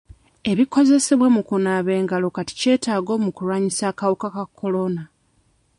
Ebikozesebwa mu kunaaba engalo kati kyetaago mu kulwanyisa akawuka ka kolona.